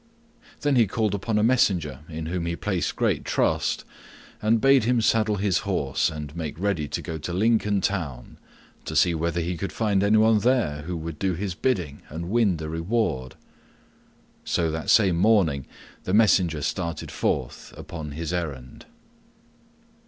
Then he called up a messenger in whom he placed great trust, and bade him saddle his horse and make ready to go to Lincoln Town to see whether he could find anyone there that would do his bidding and win the reward. So that same morning the messenger started forth upon his errand.